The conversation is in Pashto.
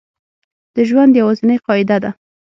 د ژوند یوازینۍ قاعده ده